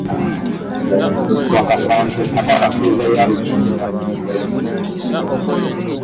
Wakasanke aba atuzza ya lukyinga .